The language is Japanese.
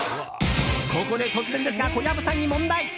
ここで突然ですが小籔さんに問題！